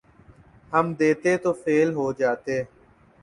ہم دیتے تو فیل ہو جاتے